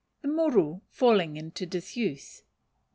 The Muru falling into Disuse.